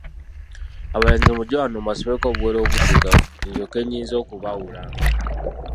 Abalenzi mujje wano mbasibeko obuwero obuddugavu, ndyokke nnyinze okubaawulanga.